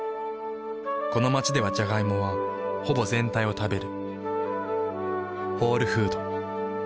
この街ではジャガイモはほぼ全体を食べる。